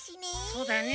そうだよね。